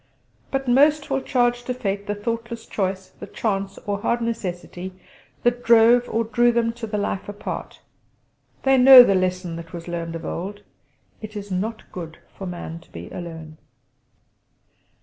But most will charge to Fate the thoughtless choice, the chance, or hard necessity, that drew or drove them to the life apart; they know the lesson that was learned of old: "It is not good for man to be alone."